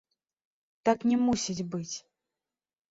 Так не мусіць быць.